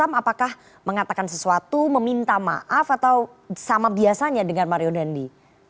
pak rustom apakah mengatakan sesuatu meminta maaf atau sama biasanya dengan mario dendi